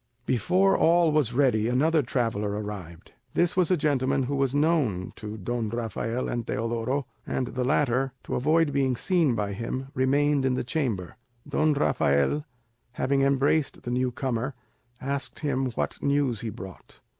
Before all was ready another traveller arrived. This was a gentleman who was known to Don Rafael and Teodoro, and the latter, to avoid being seen by him, remained in the chamber. Don Rafael, having embraced the newcomer, asked him what news he brought.